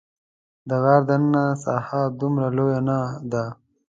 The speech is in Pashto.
د غار دننه ساحه دومره لویه نه ده.